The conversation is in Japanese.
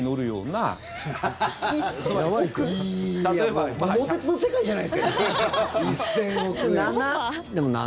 いや、もう「桃鉄」の世界じゃないですか。